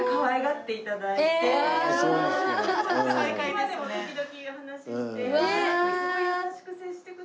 今でも時々話して。